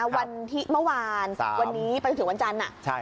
วันที่เมื่อวานวันนี้ไปจนถึงวันจันทร์